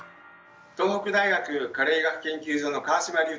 東北大学加齢医学研究所の川島隆太です。